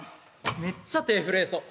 めっちゃ手ぇ震えそう。